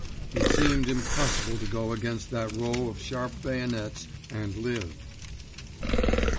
It seemed impossible to go against that row of sharp bayonets and live.